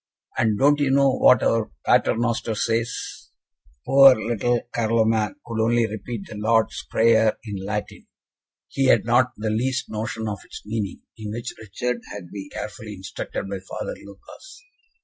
And, don't you know what our Pater Noster says?" Poor little Carloman could only repeat the Lord's Prayer in Latin he had not the least notion of its meaning in which Richard had been carefully instructed by Father Lucas.